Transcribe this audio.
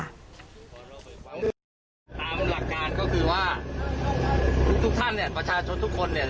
ตามหลักการก็คือว่าทุกทุกท่านเนี่ยประชาชนทุกคนเนี่ย